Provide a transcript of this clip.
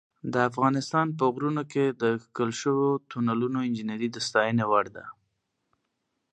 د افغانستان په غرونو کې د کښل شویو تونلونو انجینري د ستاینې وړ ده.